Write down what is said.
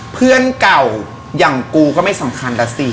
เพื่อนเก่าอย่างกูก็ไม่สำคัญนะสิ